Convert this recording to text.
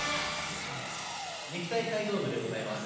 「肉体改造部」でございます。